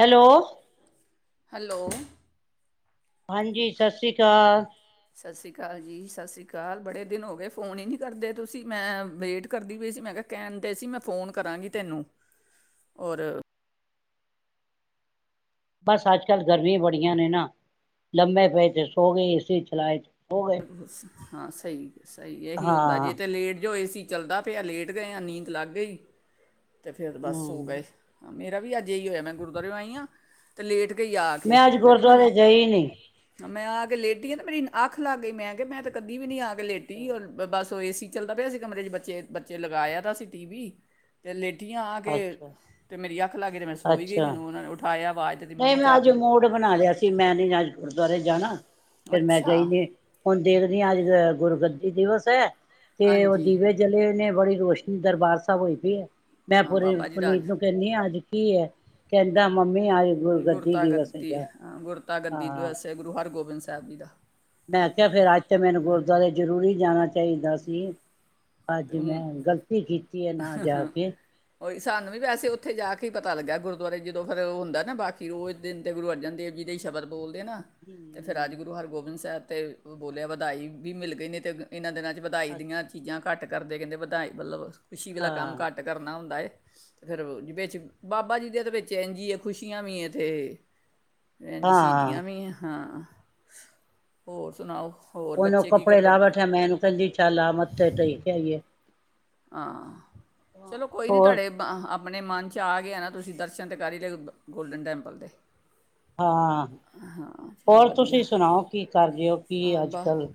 Hello, hello, ਹਾਂਜੀ ਸਤਿ ਸ੍ਰੀ ਅਕਾਲ, ਸਤਿ ਸ਼੍ਰੀ ਅਕਾਲ ਜੀ ਸਤਿ ਸ਼੍ਰੀ ਅਕਾਲ ਬੜੇ ਦਿਨ ਹੋ ਗਏ, ਫੋਨ ਹੀ ਨਹੀਂ ਕਰਦੇ ਤੁਸੀਂ ਮੈਂ ਵੇਟ ਕਰਦੀ ਪਈ ਸੀ, ਮੈਂ ਕਿਹਾ ਕਹਿਣ 'ਤੇ ਸੀ ਮੈਂ ਫੋਨ ਕਰਾਂਗੀ ਤੈਨੂੰ ਔਰ ਬਸ ਅੱਜ ਕੱਲ ਗਰਮੀਆਂ ਬੜੀਆਂ ਨੇ ਨਾ ਲੰਮੇ ਪਏ ਤੇ ਸੋ ਗਏ ਏਸੀ ਚਲਾਏ। ਸੋ ਗਏ ਹਾਂ ਸਹੀ-ਸਹੀ ਇਹੀ ਹੁੰਦਾ ਹਾਂ ਜੇ ਤੇ ਲੇਟ ਜੋਏ ਏਸੀ, ਚੱਲਦਾ ਪਿਆ ਲੇਟ ਗਏ ਆ ਨੀਂਦ ਲੱਗ ਗਈ। ਤੇ ਫੇਰ ਬਸ ਸੋ ਹਮ ਗਏ। ਮੇਰਾ ਵੀ ਅੱਜ ਇਹੀ ਹੋਇਆ, ਮੈਂ ਗੁਰਦੁਆਰੇ ਆਈ ਹਾਂ ਤੇ ਲੇਟ ਗਈ ਆ ਕੇ ਮੈਂ ਅੱਜ ਕਿਹਾ ਮੈਂ ਗੁਰਦੁਆਰੇ ਗਈ ਨੀ, ਮੈਂ ਆ ਕੇ ਲੇਡੀ ਆ ਤੇ ਮੇਰੀ ਅੱਖ ਲੱਗ ਗਈ ਮੈਂ ਕਿ ਮੈਂ ਤੇ ਕਦੀ ਵੀ ਨੀ ਆ ਕੇ ਲੇਟੀ ਅ ਬਸ, ਏਸੀ ਚੱਲਦਾ ਪਿਆ ਸੀ ਕਮਰੇ ਚ ਬੱਚੇ-ਬੱਚੇ ਲਗਾਇਆ ਤਾਂ ਸੀ, ਟੀ ਵੀ ਤੇ ਲੇਡੀ ਆ ਗਏ ਅੱਛਾ ਫਿਰ ਮੇਰੀ ਅੱਖ ਲੱਗ ਗਈ। ਤੇ ਮੈਂ ਸੋ ਈ ਗਈ ਅੱਛਾ ਮੈਨੂੰ ਉਹਨਾਂ ਨੂੰ ਉਠਾਇਆ। ਆਵਾਜ਼ ਦਿੱਤੀ ਨਹੀਂ ਮੰਮੀ ਮੈਂ ਚਾਹ ਅੱਜ ਪੀ ਮੁਡ ਲਓ ਬਣਾ ਲਿਆ ਸੀ, ਮੈਂ ਨੀ ਅੱਜ ਗੁਰਦੁਆਰੇ ਜਾਣਾ ਫੇਰ ਮੈਂ ਗਈ ਅੱਛਾ ਨ ਹੁਣ ਦੇਖਦੀ ਅੱਜ ਗੁਰ ਜੀ ਦਿਵਸ ਹੈ। ਤੇ ਉਹ ਹਾਂਜੀ ਦੀਵੇ ਜਲੇ ਨੇ ਬੜੀ ਰੋਸ਼ਨੀ ਦਰਬਾਰ ਸਾਹਿਬ ਹੋਈ ਪਈ ਹੈ। ਮੈਂ ਹਾਂ ਪੂਰੀ ਬਾਬਾ ਜੀ ਦਾ ਪੁਨੀਤ ਅੱਜ ਨੂੰ ਕਹਿੰਨੀ ਹਾਂ ਅੱਜ ਕੀ ਹੈ, ਕਹਿੰਦਾ ਮੰਮੀ ਅੱਜ ਗੁਰਗੱਦੀ ਗੁਰਤਾ ਦਿਵਸ ਗੱਦੀ ਏ ਹੈਗਾ ਹਾਂ ਗੁਰਤਾਗੱਦੀ ਹਾਂ ਦਿਵਸ ਐ ਗੁਰੂ ਹਰਗੋਬਿੰਦ ਸਿੰਘ ਪਿਤਾ ਜੀ ਦਾ। ਮੈਂ ਕਿਹਾ ਫੇਰ ਅੱਜ ਤੇ ਮੈਨੂੰ ਗੁਰਦੁਆਰੇ ਜ਼ਰੂਰੀ ਜਾਣਾ ਚਾਹੀਦਾ ਸੀ। ਤੇ ਅੱਜ ਮੈਂ ਗ਼ਲਤੀ ਕੀਤੀ ਹੈ ਨਾ ਜਾ ਹੁਣ ਕੇ। ਉਹ ਸਾਨੂੰ ਵੀ ਵੈਸੇ ਉੱਥੇ ਜਾ ਕੇ ਹੀ ਪਤਾ ਲੱਗਿਆ ਗੁਰਦੁਆਰੇ ਜਦੋਂ ਫਿਰ ਉਹ ਹੁੰਦਾ ਨਾ ਬਾਕੀ ਉਹ ਦਿਨ ਤੇ ਗੁਰੂ ਅਰਜਨ ਦੇਵ ਜੀ ਦਾ ਹੀ ਸ਼ਬਦ ਬੋਲਦੇ ਨਾ ਤੇ ਫਿਰ ਅੱਜ ਗੁਰੂ ਹਰਗੋਬਿੰਦ ਸਾਹਿਬ ਤੇ ਬੋਲਿਆ ਵਧਾਈ ਵੀ ਮਿਲ ਗਈ ਨੇ ਤੇ ਇਹਨਾਂ ਦਿਨਾਂ ਤੇ ਵਧਾਈ ਦੀਆਂ ਅੱਛਾ ਚੀਜ਼ਾਂ ਘੱਟ ਕਰਦੇ ਕਹਿੰਦੇ ਵਧਾਈ ਮਤਲਬ ਖੁਸ਼ੀ ਆਲਾ ਕੰਮ ਹਾਂ ਘੱਟ ਕਰਨਾ ਹੁੰਦਾ ਏ। ਫਿਰ ਵਿੱਚ ਬਾਬਾ ਜੀ ਦੀਆਂ ਤੇ ਵਿੱਚ ਇੰਝ ਈ ਐ ਖੁਸ਼ੀਆਂ ਵੀ ਹੈ ਤੇ ਇੰਝ ਹਾਂ ਸ਼ਹੀਦੀਆਂ ਵੀ ਆ ਹਾਂ। ਹੋਰ ਸੁਣਾਓ। ਹੋਰ ਉਹਨੂੰ ਬੱਚੇ ਕੀ ਕੱਪੜੇ ਕਰਦੇ ਲਾ ਪਏ ਬੈਠਿਆ ਮੈਂ ਇਹਨੂੰ ਕਹਿੰਦੀ ਚੱਲ ਆ ਮੱਥੇ ਤੇ ਹੀ ਚੱਲ ਕੇ ਆਈਏ। ਹਾਂ, ਚਲੋ ਕੋਈ ਨਹੀਂ ਹੋਰ ਤੁਹਾਡੇ ਆਪ ਆਪਣੇ ਮਨ 'ਚ ਆ ਗਿਆ ਨਾ ਤੁਸੀਂ ਦਰਸ਼ਨ ਤਾਂ ਕਰ ਹੀ ਲਏ ਗੋਲਡਨ ਟੈਂਪਲ ਦੇ। ਹਾਂ, ਹਾਂ ਚਲੋ ਹੋਰ ਵਧੀਆ ਤੁਸੀਂ ਸੁਣਾਓ ਕੀ ਕਰ ਰਹੇ ਹੋ ਹਾਂ ਕਿ ਬਸ ਅੱਜਕੱਲ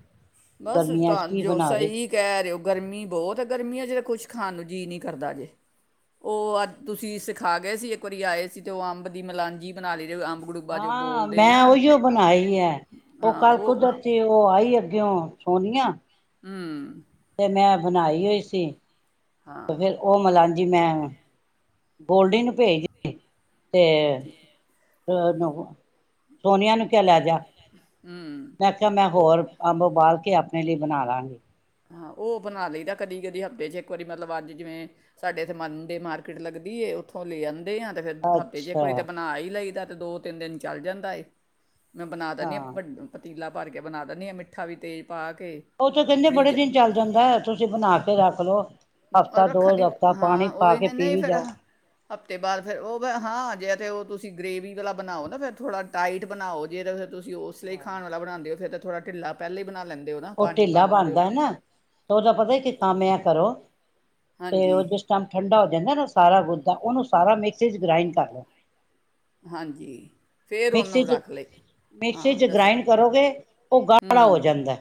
ਬਸ ਗਰਮੀਆਂ 'ਚ ਤਾਂ ਕੀ ਜੋ ਬਣਾ ਰਹੇ? ਸਹੀ ਕਹਿ ਰਹੇ ਹੋ ਗਰਮੀ ਬਹੁਤ ਏ ਗਰਮੀਆਂ 'ਚ ਤਾਂ ਕੁੱਛ ਖਾਣ ਨੂੰ ਜੀਅ ਨੀ ਕਰਦਾ ਜੇ, ਉਹ ਅੱਜ ਤੁਸੀਂ ਸਿਖਾ ਗਏ ਸੀ ਇੱਕ ਵਾਰੀ ਆਏ ਸੀ ਤੇ ਉਹ ਅੰਬ ਦੀ ਮਲਾਨਜੀ ਬਣਾ ਲਈ ਅੰਬ ਗੜੂਬਾ ਜੋ ਹਾਂ ਬੋਲਦੇ ਆ ਮੈਂ ਉਹੀਓ ਬਣਾਈ ਏ, ਉਹ ਕੱਲ ਕੁਦਰਤੀ ਉਹ ਆਈ ਕਿਉਂ ਸੋਨੀਆਂ ਹਰ ਮੈਂ ਬਣਾਈ ਹੋਈ ਸੀ। ਤੇ ਹਾਂ ਫਿਰ ਉਹ ਮਲਾਣੀ ਅੱਧੀ ਮੈਂ, ਗੋਲਡੀ ਨੂੰ ਭੇਜ ਦਿੱਤੀ। ਤੇ [unintelligible] ਸੋਨੀਆ ਨੂੰ ਕਿਆ ਲੈ ਜਾ। ਹੂੰ ਮੈਂ ਖਿਆ ਮੈਂ ਉਹ ਹੋਰ ਅੰਬ ਉਬਾਲ ਕੇ ਆਪ ਲਈ ਬਣਾ ਲਵਾਂਗੇ, ਹਾਂ ਉਹ ਬਣਾ ਲਈਦਾ ਕਦੀ ਕਦੀ ਹਫ਼ੇ 'ਚ ਇੱਕ ਵਾਰੀ, ਮਤਲਬ ਅੱਜ ਜਿਵੇਂ, ਸਾਡੇ ਇੱਥੇ ਮਨ ਡੇ ਮਾਰਕੀਟ ਲੱਗਦੀ ਏ ਉੱਥੋਂ ਲੈ ਆ ਆਂਦੇ ਆਂ ਤੇ ਫਿਰ ਹਫ਼ਤੇ ਚ ਅੱਛਾ ਇੰਕਵਾਕੋਈ ਤਾਂ ਬਣਾ ਹੀ ਲਈ ਤਾਂ ਤੇ ਦੋ ਤਿੰਨ ਦਿਨ ਚੱਲ ਜਾਂਦਾ ਏ। ਮੈਂ ਬਣਾ ਦਿੰਦੀ ਹਾਂ ਹਾਂੱ ਪਤੀਲਾ ਭਰ ਕੇ ਬਣਾ ਦਿੰਦੇ ਹਾਂ ਮਿੱਠਾ ਵੀ ਅਤੇ ਪਾਕ- ਕਨਦੇ ਬੜੇ ਦਿਨ ਚੱਲ ਜਾਂਦਾ ਤੁਸੀਂ ਬਣਾ ਕੇ ਰੱਖ ਲਓ ਹਫ਼ਤਾ ਦੋ ਰੱਖਣ ਦੀ ਹਫ਼ਤਾ ਪਾਣੀ ਹਾਂ ਪਾ ਕੇ ਹੀਨੇ ਪੀ ਨਹੀਂ ਵੀ ਫੇਿਰ ਜਾਓ ਹਫ਼ਤੇ ਬਾਅਦ ਫਿਰ ਉਹ ਹਾਂ ਆਜੇ ਤੇ ਤੁਸੀਂ ਗ੍ਰੇਵ ਵਾਲਾ ਬਣਾਓ, ਨਾ ਫ਼ਿਰ ਥੋੜਾ ਟਾਈਟ ਬਣਾਓ, ਜੇ ਫਿਰ ਤੁਸੀਂ ਜ, ਉਸ ਲਈ ਹਾਂ ਖਾਣ ਵਾਲਾ ਬਣਾਉਂਦੇ ਹੋ ਫਿਰ ਥੋੜਾ ਢਿੱਲਾ ਪਹਿਲੇ ਬਣਾ ਲੈਂਦੇ ਹੋ ਨਾ ਉਹ ਪਾਣੀ ਪਾ ਢਿੱਲਾ ਲੈਂਦੇ ਬਣਦਾ ਹੋ ਏਨਾ, ਤੇ ਉਹਦਾ ਪਤਾ ਹੀ ਕਿ ਕੰ ਮ ਆ ਕਰੋ ਤੇ ਉਹ ਹਾਂਜੀ ਜਿਸ ਟਾਈਮ ਠੰਡਾ ਜਾਂਦਾ ਨਾ ਸਾਰਾ ਗੁੱਦਾ ਉਹਨੂੰ ਸਾਰਾ ਮਿਕਸੀ ਚ ਗ੍ਰਾਇੰਡ ਕਰ ਲਓ। ਹਾਂਜੀ! ਫੇਰ ਮਿਕਸੀ ਉਹਨੂੰ ਚ ਰੱਖ ਲਏ, ਮਿਕਸੀ ਹਾਂ ਚ ਦੱਸੋ ਗ੍ਰਾਇੰਡ ਕਰੋਗੇ ਉਹ ਗਾੜਾ ਹੋ ਹੂੰ ਜਾਂਦਾ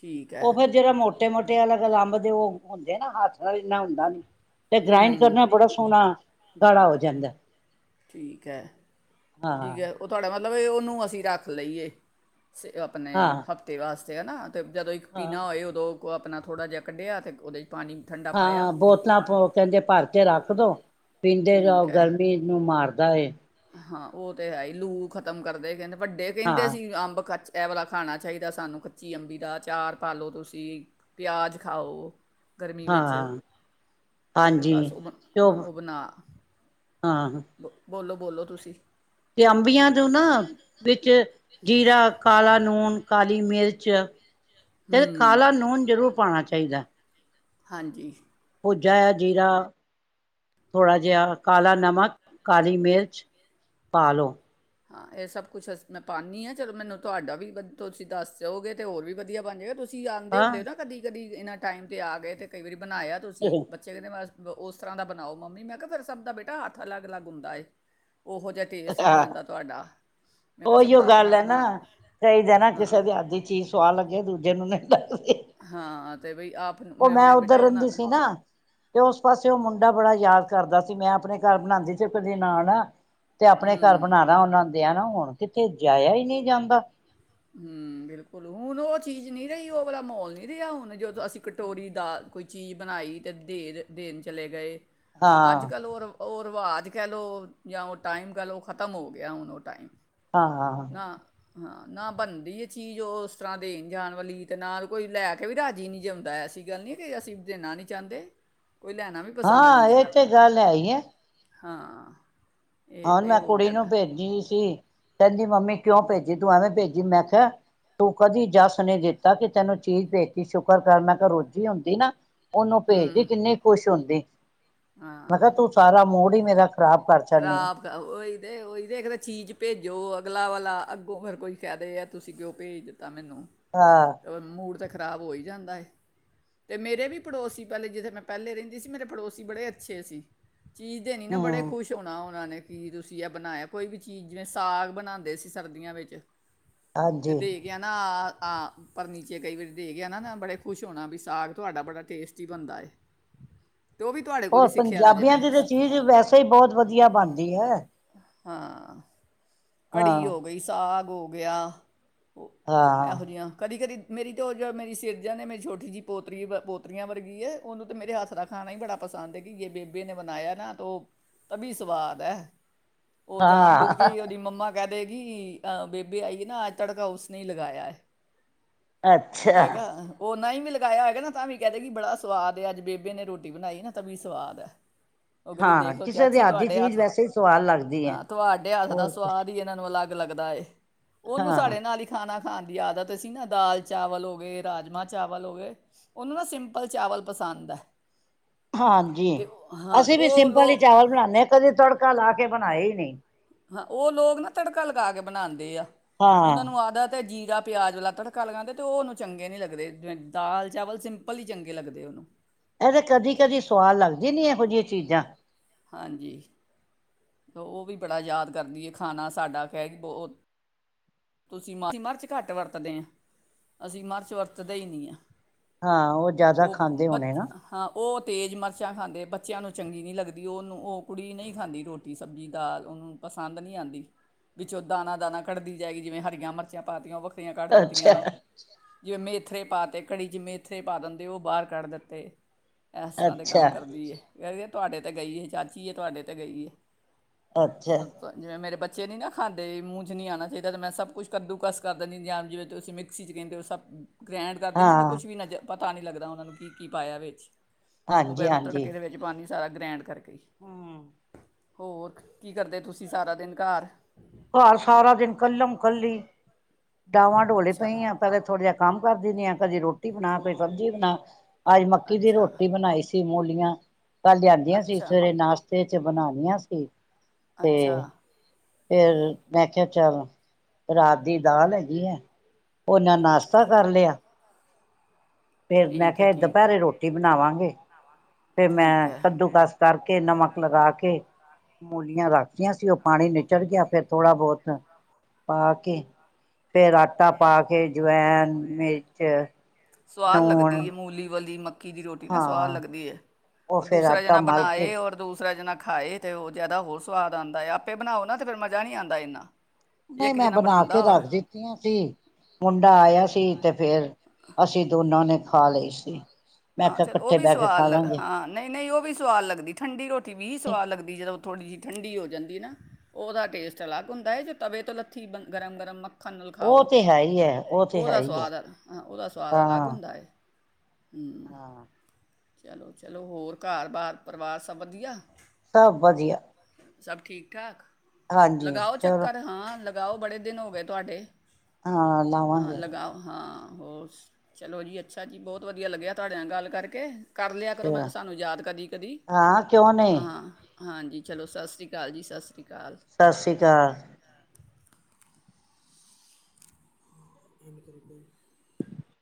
ਠੀਕ ਹੈ ਉਹ ਫਿਰ ਜਿਹੜਾ ਮੋਟਾ ਮੋਟੇ-ਮੋਟੇ ਅਲੱਗ ਲੰਬਦੇ ਉਹ ਹੁੰਦੇ ਨਾ ਹਾਦਸ ਨਾਲ ਇੰਨਾ ਹੁੰਦਾ ਨੀ, ਤੇ ਗ੍ਰਾਇੰਡ ਹੂੰ ਕਰਨਾ ਬੜਾ ਸੋਹਣਾ ਗਾਲਾ ਹੋ ਜਾਂਦਾ। ਠੀਕ ਹੈ ਹਾਂ ਠੀਕ ਹੈ ਉਹ ਤੁਹਾਡੇ ਮ ਮਤਲਬ ਏ ਉਹਨੂੰ ਅਸੀਂ ਰੱਖ ਲਈਏ। ਆਪਣੇ ਹਾਂ ਹਫ਼ਤੇ ਵਾਸਤੇ ਜ ਨਾ, ਅਤੇ ਜਦੋਂ ਇੱਕ ਹਾਂ ਪੀਣਾ ਹੋਏ ਉਦੋਂ ਉਹ ਆਪਣਾ ਥੋੜ੍ਹਾ ਜਿਹਾ ਕੱਢਿਆ ਅਤੇ ਉਹਦੇ 'ਚ, ਪਾਣੀ ਠੰਡਾ ਪਾਇਆ ਹਾਂ ਬੋਤਲਾਂ, ਕਹਿੰਦੇ ਭਰ ਕੇ ਰੱਖ ਦੋ ਪੀਂਦੇ ਜਾਓ ਠੀਕ ਹੈ ਗਰਮੀ ਨੂੰ ਮਾਰ ਜਾਏ। ਹਾਂ ਉਹ ਤੇ ਹੈ ਹੀ, ਲੂ ਖਤਮ ਕਰਦੇ ਕਹਿੰਦੇ। ਵੱਡੇ ਕਹਿੰਦੇ ਹਾਂ ਸੀ ਅੰਬ ਖਰ ਐ ਵਾਲਾ ਖਾਣਾ ਚਾਹੀਦਾ, ਸਾਨੂੰ ਕੱਚੀ ਅੰਬੀ ਦਾ ਚਾਰ ਪਾ ਲੋ ਤੁਸੀਂ ਪਿਆਜ਼ ਖਾਓ। ਗਰਮੀ ਵਿੱਚ ਹਾਂ ਤੇ ਹਾਂਜੀ ਬਸ ਤੇ ਉਹ ਉਹ-ਉਹ ਬਣਾ। ਹਾਂ ਬੋਲੋ-ਬੋਲੋ ਤੁਸੀਂ। ਤੇ ਅੰਬੀਆਂ ਜੋ ਨਾ ਵਿੱਚ, ਜੀਰਾ ਕਾਲਾ ਲੂਣ ਕਾਲੀ ਮਿਰਚ, ਹੂੰ ਕਾਲਾ ਨੂਨ ਜ਼ਰੂਰ ਪਾਉਣਾ ਚਾਹੀਦਾ। ਭੂਜਿਅ ਹਾਂਜੀ, ਭੁੱਜਿਆ ਜੀਰਾ ਥੋੜ੍ਹਾ ਜਿਹਾ ਕਾਲਾ ਨਮਕ ਕਾਲੀ ਮਿਰਚ ਪਾ ਲਓ। ਹਾਂ ਇਹ ਸਭ ਕੁਛ ਅ ਮੈਂ ਪਾਦੀ ਹਾਂ ਚਲੋ ਮੈਨੂੰ ਤੁਹਾਡਾ ਵੀ ਤੁਸੀਂ ਦੱਸ ਜਾਓਗੇ, ਤਾਂ ਹੋਰ ਵੀ ਵਧੀਆ ਬਣ ਜਾਵੇਗਾ ਤੁਸੀਂ ਕੀ ਆਦੇ ਹਾਂ। ਹੁੰਦੇ ਨਾ ਕਦੀ-ਕਦੀ, ਇਹਨਾਂ ਟਾਈਮ ਤੇ ਆ ਗਏ ਤੇ ਕਈ ਵਾਰੀ, ਬਣਾਇਆ ਤੁਸੀਂ ਬੱਚੇ ਕਹਿੰਦੇ ਬਸ ਉਸ ਤਰ੍ਹਾਂ ਦਾ ਬਣਾਓ, ਮੰਮੀ ਮੈਂ ਕਿਹਾ ਫਿਰ ਸਭ ਦਾ ਬੇਟਾ ਹੱਥ ਅਲੱਗ ਅਲੱਗ ਹੁੰਦਾ ਏ। ਉਹ ਜਿਹਾ ਟੇਸਟ ਨਹੀਂ ਹਾਂ ਆਂਦਾ। ਉਹੀਓ ਗੱਲ ਹੈ, ਨਾ ਕਈ ਜਾ ਨਾ ਕਿਸੇ ਹਾਂ ਦੀ ਅੱਧੀ ਚੀਜ਼ ਸੁਆਦ ਲਗੇ ਦੂਜ ਹਾਂ ਤੇ ਬਈ ਆਪ। ਉਹ ਮੈਂ ਉੱਧਰ ਰਹਿੰਦੀ ਸੀ ਨਾ ਤੇ ਉਸ ਪਾਸੇ ਉਹ ਮੁੰਡੇ। ਮੁੰਡਾ ਬੜਾ ਯਾਦ ਕਰਦਾ ਸੀ ਮੈਂ ਆਪਣੇ ਘਰ ਬਣਾਉਂਦੀ ਸੀ ਏਕ ਦਿਨ ਆਨਾ ਤੇ ਆਪਣੇ ਘਰ ਹੂੰ ਬਣਾਣਾ ਉਹਨਾ ਨੇ। ਤੇ ਆ ਨਾ ਹੁਣ ਕਿੱਥੇ ਜਾਇਆ ਹੀ ਨਹੀਂ ਜਾਂਦਾ। ਹੂੰ ਬਿਲਕੁਲ ਹੁਣ ਉਹ ਚੀਜ਼ ਨਹੀਂ ਰਹੀ ਉਹ ਵਾਲਾ ਮਾਹੌਲ ਨੀ ਰਿਹਾ ਹੁਣ ਜੋ। ਅਸੀਂ ਕਟੋਰੀ ਦਾਲ ਕੋਈ। ਚੀਜ਼ ਬਣਾਈ ਤੇ ਦੇਰ ਦੇਰ ਦੇਣ ਚਲੇ ਗਏ। ਅੱਜ ਹਾਂ। ਕੱਲ੍ਹ ਹੋਰ। ਉਹ ਰਿਵਾਜ਼ ਕਹਿ ਲਓ ਜਾਂ ਉਹ ਟਾਈਮ ਕਹਿ ਲਓ ਖ਼ਤਮ ਹੋ ਗਿਆ ਹੁਣ ਉਹ ਟਾਈਮ। ਹਾਂ। ਨਾ ਹਾਂ ਨਾ ਬਣਦੀ ਹੈ ਚੀਜ਼ ਉਹ ਉਸ ਤਰ੍ਹਾਂ ਦੀ ਜਾਣ ਵਾਲੀ ਤੇ ਨਾਲ ਕੋਈ ਲੈ ਕੇ ਵੀ ਰਾਜ਼ੀ ਨਹੀਂ ਜਿਉਂਦਾ ਐਸੀ ਗੱਲ ਨਹੀਂ ਕਿ ਅਸੀਂ ਦੇਣਾ ਨਹੀਂ ਚਾਹੁੰਦੇ। ਕੋਈ ਲੈਣਾ ਵੀ ਪਸੰਦ ਨਹੀਂ ਹਾਂ ਜੇ ਇਹ ਤੇ ਕਰਦਾ ਗੱਲ ਹੈ ਹੀ ਆ। ਹਾਂ। ਇਹ ਹੁਣ ਇਹ ਮੈਂ ਹੋ ਕੁੜੀ ਗਿਆ ਨੂੰ ਦਾ ਭੇਜੀ ਸੀ ਕਹਿੰਦੀ। ਮੰਮੀ ਕਿਉਂ ਭੇਜੀ ਤੂੰ ਐਵੇਂ ਭੇਜੀ ਮੈਂ ਕਿਹਾ ਤੂੰ ਕਦੀ ਜਸ ਨੇ ਦਿੱਤਾ ਕਿ ਤੈਨੂੰ ਚੀਜ਼ ਭੇਜੀ ਸ਼ੁਕਰ ਕਰ ਮੈਂ ਕਿਹਾ ਰੋਜ਼ੀ ਹੁੰਦੀ ਨਾ। ਉਹਨੂੰ ਭੇਜਦੀ ਹੂੰ ਕਿੰਨੀ ਖੁਸ਼ ਹੁੰਦੀ। ਮੈਂ ਕਿਹਾ ਹਾਂ ਤੂੰ ਸਾਰਾ ਮੋੜੀ ਹੀ ਨਾ। ਰੱਖ [unintelligible] ਖਰਾਬ ਉਹੀ ਦੇ ਉਹੀ ਦੇ ਦੇਖ ਇੱਕ ਤਾਂ ਚੀਜ਼ ਭੇਜੋ ਅਗਲਾ ਵਾਲਾ ਅੱਗੋਂ ਫਿਰ ਕੋਈ ਕਹਿ ਦੇ ਆ ਤੁਸੀਂ ਕਿਉਂ ਭੇਜਦੇ ਹੋ। ਤਾਂ ਮੈਨੂੰ ਹਾਂ ਤੇ ਫੇਰ ਮੂੜ ਜਾ। ਖ਼ਰਾਬ ਹੋ ਹੀ ਜਾਂਦਾ ਏ ਤੇ ਮੇਰੇ ਵੀ ਪੜੋਸੀ ਪਹਿਲੇ ਜਿੱਥੇ ਮੈਂ ਪਹਿਲੇ ਰਹਿੰਦੀ ਸੀ ਮੇਰੇ ਪੜੋਸੀ ਬੜੇ ਅੱਛੇ ਸੀ। ਚੀਜ਼ ਦੇ ਨੀ ਨਾ ਬੜੇ। ਹੂੰ ਛੋਣਾ ਉਹਨਾਂ ਨੇ ਕੀ ਤੁਸੀਂ ਇਹ ਬਣਾਇਆ ਕੋਈ ਵੀ ਚੀਜ਼ ਜਿਵੇਂ ਸਾਗ ਬਣਾਉਂਦੇ ਸੀ ਸਰਦੀਆਂ ਵਿੱਚ। ਤੇ ਹਾਂਜੀ ਦੇਖ ਕਹਿੰਦਾ ਆ। ਆ ਪਰ ਨੀਚੇ ਕਈ ਵਾਰੀ ਦੇ ਗਿਆ ਨਾ ਨਾ ਬੜੇ ਖੁਸ਼ ਹੋਣਾ ਵੀ ਸਾਗ ਤੁਹਾਡਾ ਬੜਾ ਟੇਸਟੀ ਬਣਦਾ ਏ। ਤੇ ਉਹ ਵੀ ਤੁਹਾਡੇ ਕੋਲ ਹੋਰ ਹੀ ਸਿੱਖਿਆ ਦਾ ਜੇ ਪੰਜਾਬੀਆਂ ਮੈਂ ਦੀ ਤਾਂ ਸ- ਚੀਜ਼ ਵੈਸੇ ਹੀ ਬਹੁਤ। ਵਧੀਆ ਬਣਦੀ ਹੈ। ਹਾਂ। ਘੜੀ ਹਾਂ ਹੋ ਗਈ ਸਾਗ। ਹੋ ਗਿਆ। ਉਹ ਹਾਂ ਇਹੋ ਜਿਹੀਆਂ ਕਦੀ ਕਦੀ। ਮੇਰੀ ਤਾਂ ਉਹ ਜੋ ਮੇਰੀ ਸਿਰਜਾ ਨੇ ਮੇਰੀ ਛੋਟੀ ਜਿਹੀ ਪੋਤਰੀ ਵ ਪੋਤਰੀਆਂ ਵਰਗੀ ਹੈ ਉਹਨੂੰ ਤਾਂ ਮੇਰੇ ਹੱਥ ਦਾ ਖਾਣਾ ਹੀ ਬੜਾ ਪਸੰਦ ਹੈ ਕਿ ਜੇ ਬੇਬੇ ਨੇ ਬਣਾਇਆ ਨਾ ਤਾਂ ਉਹ ਤ ਵੀ ਸਵਾਦ ਹੈ ਉਹ ਜਾਣਬੁੱਝ ਕੇ ਹੀ ਉਹਦੀ ਹਾਂ ਮੰਮਾ ਕਹਿ ਦੇਗੀ ਅਹ ਬੇਬੇ ਆਈਏ ਨਾ ਅੱਜ ਤੜਕਾ ਉਸਨੇ ਹੀ ਲਗਾਇਆ ਤੇ ਅੱਛਾ ਕਹਿਗਾ ਹੋਰ ਨਾ ਹੀ ਵੀ ਲਗਾਇਆ ਹੈਗਾ ਨਾ ਤਾਂ ਵੀ ਕਹਿਿੰਦੇ ਕਿ ਬੜਾ ਸਵਾਦ ਅੱਜ ਬੇਬੇ ਨੇ ਰੋਟੀ ਬਣਾਈ ਨਾ ਤਾਂ ਵੀ ਸਵਾਦ ਹੈ ਉਹ ਕਹਿੰਦੀ ਹਾਂ ਦੇਖ ਲਓ ਕਿਸੇ ਦੀ ਚਾਚੀ ਅਧੀ ਤੁਹਾਡੇ ਚੀਜ਼ ਹੱਥ ਵੈਸੇ ਹੀ ਸਵਾਦ ਲੱਗਦੀ ਹੈ ਹੋਰ ਕੁਛ ਸੁਆਦ ਈ ਇਹਨਾ ਨੂੰ ਅਲੱਗ ਅੱਗ ਲੱਗਦਾ ਏ ਉਹਨੂੰ ਹਾਂ ਸਾਡੇ ਨਾਲ ਹੀ ਖਾਣਾ ਹਾਂ ਦੀ ਆਦਤ ਸੀ ਨਾ ਦਾਲ ਚਾਵਲ ਹੋ ਗਏ ਰਾਜਮਾਂ ਚਾਵਲ ਹੋ ਗਏ ਉਹਨੂੰ ਨਾ ਸਿੰਪਲ ਚਾਵਲ ਪਸੰਦ ਹੈ ਹਾਂਜੀ ਅਤੇ ਹਾਂ ਤੇ ਅਸੀਂ ਵੀ ਉਹ ਸਿੰਪਲ ਹੀ ਲੋਕ ਚਾਵਲ ਬਣਾਉਦੇ ਹਾਂ ਕਦੇ ਤੜਕਾ ਲਾ ਕੇ ਬਣਾਏ ਹੀ ਨਹੀਂ ਹਾਂ ਉਹ ਲੋਕ ਨਾ ਤੜਕਾ ਲਗਾ ਕੇ ਬਣਾਉਂਦੇ ਆ ਉਹਨਾਂ ਹਾਂ। ਨੂੰ ਆਦ ਆ ਤੇ ਜੀ ਜਾਂ ਪਿਆਜ ਵਾਲਾ ਤੜਕਾ ਲਗਾਉਂਦੇ ਤੇ ਉਹਓਨੂੰ ਚੰਗੇ ਨੀ ਲੱਗਦੇ ਦਾਲ ਚਾਵਲ ਸਿੰਪਲ ਹੀ ਚੰਗੇ ਲੱਗਦੇ ਉਹਨੂੰ ਇਹਦੇ ਕਦੀ ਕਦੀ ਸਆਾਲ ਲੱਗਦੀ ਨੀ ਇਹੋ ਜਿਹੀ ਠੀਕ ਆ ਹਾਂਜੀ ਉਹ ਵੀ ਬੜਾ ਯਾਦ ਕਰਦੀ ਹੈ ਖਾਣਾ ਸਾਡਾ ਕਹਿ ਕੇ ਬ ਤੁਸੀਂ ਮ ਅਸੀਂ ਮਿਰਚ ਘੱਟ ਵਰਤਦੇ ਹਾਂ ਅਸੀਂ ਮਿਰਚ ਵਰਤਦੇ ਹੀ ਨਹੀਂ ਆ ਹਾਂ ਉਹ ਜ਼ਿਆਦਾ ਖਾਂਦੇ ਬੱਚ ਹੋਣੇ ਨਾ ਹਾਂ ਉਹ ਤੇਜ਼ ਮਿਰਚਾਂ ਖਾਂਦੇ ਬੱਚਿਆਂ ਨੂੰ ਚੰਗੀ ਨਹੀਂ ਲੱਗਦੇ ਉਹਨੂੰ ਉਹ ਕੁੜੀ ਨਹੀਂ ਖਾਂਦੀ ਰੋਟੀ ਸਬਜ਼ੀ ਦਾਲ ਉਹਨੂੰ ਪਸੰਦ ਨਹੀਂ ਆਂਦੀ ਵਿੱਚੋਂ ਦਾਨਾ ਦਾਨਾ ਕੱਢਦੀ ਜਾਏਗੀ ਜਿਵੇਂ ਹਰੀਆਂ ਮਿਰਚਾਂ ਪਾਤੀਆਂ ਵਖ [unintelligible] ਕੱਢ ਅੱਛਾ, ਦਿੱਤੀਆਂ ਜਿਵੇਂ ਮੇਥਰੇ ਪਾਤੇ ਕੜੀ ਚ ਮੇਥਰੇ ਪਾ ਦਿੰਦੇ ਉਹ ਬਾਹਰ ਕੱਢ ਦਿੱਤੇ ਏਸ ਤਰ੍ਹਾਂ ਦੇ ਅੱਛਾ, ਕੰਮ ਕਰਦੀ ਏ [unintelligible] ਤੁਹਾਡੇ ਤੇ ਗਈ ਏ ਚਾਚੀ ਏ ਤੁਹਾਡੇ ਤੇ ਗਈ ਏ ਅੱਛਾ ਜਿਵੇਂ ਮੇਰੇ ਬ ਬੱਚੇ ਨੀ ਨਾ ਖਾਂਦੇ ਮੂੰਹ ਚ ਨੀ ਆਨਾ ਚਾਹੀਦਾ ਤੇ ਮੈਂ ਸਭ ਕੁਛ ਕੱਦੂ ਕਸ ਕਰ ਦੇਨੀ ਹੁਨੀ ਆ ਜਿਵੇ ਵਿੱਚ ਤੁਸੀਂ ਮਿਕਸੀ ਚ ਕਹਿੰਦੇ ਉਹ ਸਭ ਗ੍ਰੈਂਡ ਕਰਦੇ ਏ ਨਾ ਨ ਹਾਂ, ਕੁਛ ਵੀ ਨਾ ਜ ਪਤਾ ਨਹੀਂ ਲੱਗਦਾ ਉਹਨਾਂ ਨੂੰ ਕੀ ਕੀ ਪਾਇਆ ਵਿੱਚ ਉਹ ਹਾਂਜੀ ਫਿਰ ਮੈਂ ਹਾਂਜੀ। ਤੜਕੇ ਦੇ ਵਿੱਚ ਪਾ ਸਾਰਾ ਗ੍ਰੈਂਡ [inaudible] ਹੂੰ, ਹੋਰ ਕੀ ਕਰਦੇ ਤੁਸੀਂ ਸਾਰਾ ਦਿਨ ਘਾਰ ਘਰ ਸਾਰਾ ਦਿਨ ਕੱਲਮ ਕੱਲੀ ਡਾਵਾਂ ਡੋਲੇ ਅੱਛਾ ਪਈਆਂ ਆ ਪੈਲੇ ਥੋੜ੍ਹਾ ਜਾ ਕੰਮ ਕਰ ਦਿੰਨੀ ਆ ਕਦੇ ਰੋਟੀ ਬਣਾ ਕਦੇ ਸਬਜ਼ੀ ਬਣਾ ਅੱਜ ਮੱਕੀ ਦੀ ਅੱਛਾ ਰੋਟੀ ਬਣਾਈ ਸੀ ਮੂਲੀਆਂ ਕੱਲ ਲਿਆਂਦੀਆਂ ਸੀ ਅੱਛਾ ਸਵੇਰੇ ਨਾਸ਼ਤੇ ਚ ਚ ਬਣਾ ਲੀਆਂ ਸੀ। ਅੱਛਾ। ਤੇ ਫੇਰ ਮੈਂ ਕਿਆ ਚੱਲ ਰਾਤ ਦੀ ਦਾਲ ਹੈਗੀ ਹੈ ਔਨਾਂ ਨਾਸ਼ਤਾ ਕਰ ਲਿਆ। ਫੇਰ ਮੈਂ ਠੀਕ ਹੈ ਕਿਆ ਠੀਕ ਹੈ ਦੁਪੈਰੇ ਰੋਟੀ ਬਨਾਵਾਂਗੇ। [inaudible] ਫੇਰ ਠੀਕ ਮੈਂ ਹੈ ਕੱਦੂ ਕਸ ਕਰ ਕੇ ਨਮਕ ਲਗਾ ਕੇ ਮੂਲੀਆਂ ਰੱਖਤੀਆਂ ਸੀ ਔ ਪਾਣੀ ਨਿਚੜ ਗਿਆ ਫੇਰ ਥੋੜ੍ਹਾ ਬੌਤ ਪਾ ਕੇ ਫੇਰ ਆਟਾ ਪਾ ਕੇ ਜਵੈਨ, ਮਿਰਚ ਸਵਾਦ ਲੱਗਦੀ ਨੂਣ ਏ ਮੂਲੀ ਵਾਲੀ ਮ ਮਕੀ ਦੀ ਰੋਟੀ ਨਾ ਸਵਾਦ ਹਾਂ ਲੱਗਦੀ ਏ। ਉਹ ਔ ਫੇਰ ਦੂਸਰਾ ਆਟਾ ਜਣਾ ਮਲ ਕੇ ਬਣਾਏ ਔਰ ਦੁ ਦੂਸਰਾ ਜਨਾ ਖਾਏ ਤੇ ਔ ਜੈਦਾ ਹੋਰ ਸਵਾਦ ਆਂਦਾ ਏ ਆਪੇ ਬਨਾਓ ਨਾ ਤੇ ਫੇਰ ਮਜ਼ਾ ਨੀ ਆਂਦਾ ਏਨਾ। ਬਈ ਮੈਂ ਬਣਾ ਕੇ ਰੱਖ ਦਿੱਤੀਆਂ ਸੀ ਮੁੰਡਾ ਆਇਆ ਸੀ ਤੇ ਫੇਰ ਅਸੀਂ ਦੋਨਾਂ ਨੇ ਖਾ ਲਈ ਸੀ। ਮੈਂ ਹਾਂ, ਕਿਹਾ ਚਲ ਓਹ ਇਕੱਠੇ ਵੀ ਬਹਿ ਕੇ ਸਵਾਦ ਖਾ ਲਗ ਲਾਂਗੇ ਹਾਂ ਨਹੀਂ ਨਹੀਂ ਓਹ ਵੀ ਸਵਾਦ ਲਗਦੀ ਠੰਢੀ ਰੋਟੀ ਵੀ ਸਵਾਦ ਲਗਦੀ ਜਦੋਂ ਥੋੜ੍ਹੀ ਜੀ ਠੰਢੀ ਹੋ ਜਾਂਦੀ ਏ ਨਾ ਔਦਾ ਟੇਸਟ ਅਲੱਗ ਹੁੰਦਾ ਹੈ, ਜੇ ਤਵੇ ਤੋਂ ਲੱਥੀ ਗਰਮ ਗਰਮ ਮ ਖੰਨਲ ਉਹ ਖਾਓ ਤੇ ਹੈ ਹੀ ਹੈ ਉਹ ਤੇ ਹੈ ਔਦਾ ਹੀ ਹੈ ਸੁਆਦ ਔਦਾ ਸੁਆਦ ਅਲੱਗ ਹਾਂ। ਹੁੰਦਾ ਏ। ਹਾਂ। ਚਲੋ- ਚਲੋ ਹੋਰ ਘਰ- ਬਾਰ ਪਰਿਵਾਰ ਸਭ ਵਧੀਆ। ਸਭ ਵਧੀਆ। ਸਬ ਠੀਕ- ਠਾਕ। ਹਾਂਜੀ ਲਗਾਓ ਚਲੋ ਚੱਕਰ ਹਾਂ ਲ ਗਾਓ ਬੜੇ ਦਿਨ ਹੋ ਗੇ ਤੁਹਾਡੇ। ਹਾਂ ਹਾਂ ਲਾਵਾਂਗੇ। ਲਗਾਓ ਹਾਂ ਹੋਰ ਚਲੋ ਜੀ, ਅੱਛਾ ਜੀ ਬੌਤ ਵਧ ਵਧੀਆ ਲੱਗਿਆ ਤੁਹਾਡੇ ਨਾਲ ਗੱਲ ਕਰਕੇ। ਕਰ ਲਿਆ ਕਰੋ ਮੈਂ ਅੱਛਾ ਸਾਨੂੰ ਯਾਦ ਕਦੀ-ਕਦੀ, ਹਾਂ ਕਿਉਂ ਨਹੀਂ ਹਾਂ। ਹਾਂਜੀ ਚਲੋ, ਸਸ ਰੀ ਕਾਲ ਜੀ ਸਸ਼ ਸਸ ਰੀ ਕਾਲ। ਇਨ ਕਰੋ ਕੋਈ